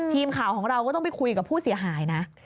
ทีมข่าวของเราก็ต้องไปคุยกับผู้เสียหายนะ